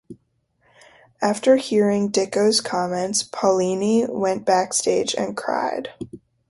After hearing Dicko's comments, Paulini went backstage and cried.